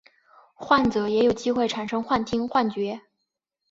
患者也有机会产生幻听幻觉。